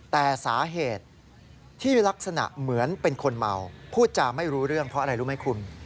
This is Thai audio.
แต่สาเหตุที่ลักษณะเหมือนเป็นคนเมาพูดจาไม่รู้เรื่องเพราะอะไรรู้ไหมคุณ